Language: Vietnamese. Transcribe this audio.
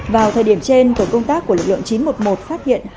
vào thời điểm trên tổ công tác của lực lượng chín trăm một mươi một phát hiện